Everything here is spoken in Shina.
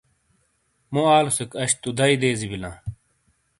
مُو آلوسیک اَش تو دئیی دیزی بِیلاں۔